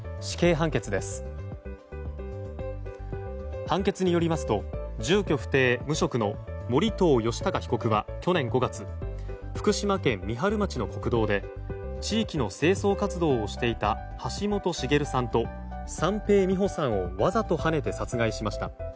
判決によりますと住居不定無職の盛藤吉高被告は、去年５月福島県三春町の国道で地域の清掃活動をしていた橋本茂さんと三瓶美保さんをわざとはねて殺害しました。